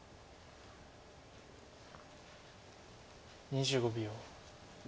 ２５秒。